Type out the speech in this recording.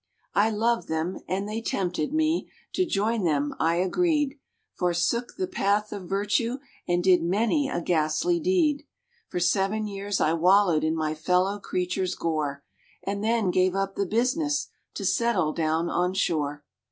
I loved them and they tempted me. To join them I agreed, Forsook the path of virtue, and did many a ghastly deed. For seven years I wallowed in my fellow creatures' gore, And then gave up the business, to settle down on shore.